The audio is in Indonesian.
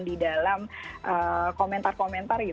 di dalam komentar komentar